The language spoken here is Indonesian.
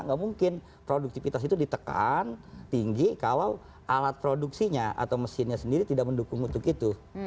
nggak mungkin produktivitas itu ditekan tinggi kalau alat produksinya atau mesinnya sendiri tidak mendukung untuk itu